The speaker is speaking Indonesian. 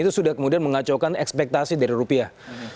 itu sudah kemudian mengacaukan ekspektasi dari rupiah